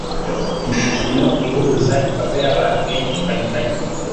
Imikino ihuruza imbaga y’abantu benshi banyuranye